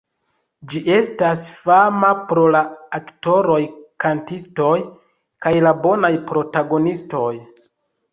Ĝi estas fama pro la aktoroj-kantistoj kaj la bonaj protagonistoj.